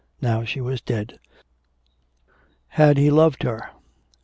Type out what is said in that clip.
Now she was dead. Had he loved her?